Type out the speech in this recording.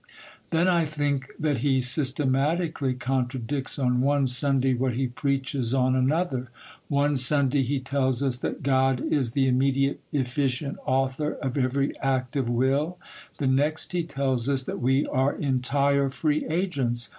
Then I think that he systematically contradicts on one Sunday what he preaches on another. One Sunday he tells us that God is the immediate efficient Author of every act of will; the next he tells us that we are entire free agents.